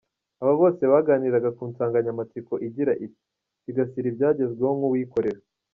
Aba bose baganiraga ku nsanganyamatsiko igira iti "Sigasira ibyagezweho nk'uwikorera.